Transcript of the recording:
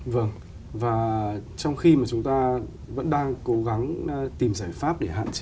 vâng và trong khi mà chúng ta vẫn đang cố gắng tìm giải pháp để hạn chế